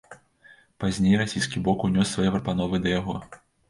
Пазней расійскі бок ўнёс свае прапановы да яго.